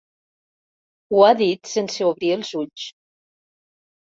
Ho ha dit sense obrir els ulls.